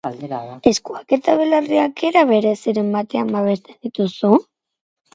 Eskuak eta belarriak era bereziren batean babesten dituzu?